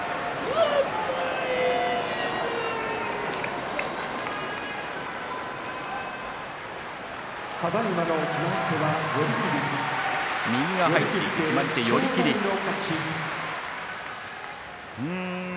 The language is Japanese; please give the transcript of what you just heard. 拍手右が入って決まり手、寄り切りです。